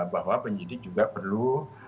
bahwa penyidik juga perlu